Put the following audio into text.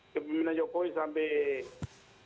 ke bumbina jokowi sampai